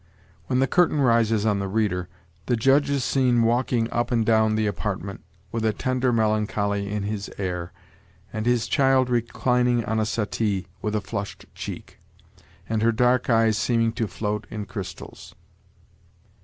When the curtain rises on the reader, the Judge is seen walking up and down the apartment, with a tender melancholy in his air, and his child reclining on a settee, with a flushed cheek, and her dark eyes seeming to float in crystals.